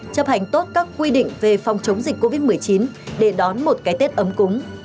chấp hành tốt các quy định về phòng chống dịch covid một mươi chín để đón một cái tết ấm cúng